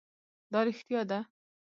دا رښتیا ده.